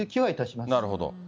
なるほど。